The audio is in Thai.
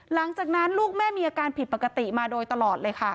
หลังจากนั้นลูกแม่มีอาการผิดปกติมาโดยตลอดเลยค่ะ